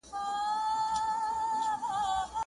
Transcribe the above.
ته راځې خالقه واه واه سل و زر سواله لرمه,